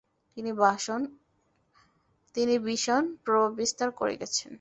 তিনি ভীষণ প্রভাববিস্তার করে গেছেন।